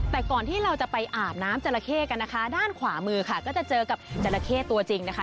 แต่ก่อนที่เราจะไปอาบน้ำจราเข้กันนะคะด้านขวามือค่ะก็จะเจอกับจราเข้ตัวจริงนะคะ